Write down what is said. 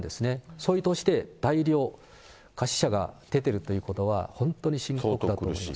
そういう都市で大量餓死者が出てるということは、本当に深刻だと思います。